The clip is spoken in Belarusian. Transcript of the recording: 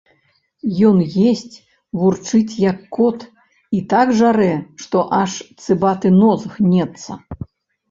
Ён есць, вурчыць, як кот, і так жарэ, што аж цыбаты нос гнецца.